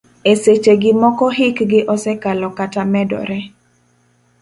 E seche gi moko hikgi osekalo kata medore.